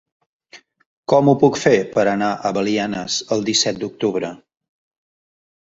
Com ho puc fer per anar a Belianes el disset d'octubre?